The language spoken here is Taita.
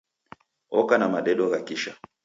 Oka na madedo gha kisha.